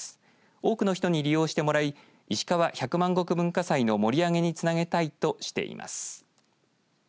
多くの人に利用してもらいいしかわ百万石文化祭の盛り上げにつなげたいとしています。